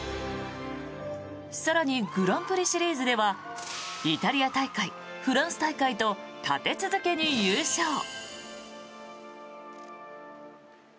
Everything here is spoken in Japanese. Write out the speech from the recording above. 更に、グランプリシリーズではイタリア大会、フランス大会と立て続けに優勝。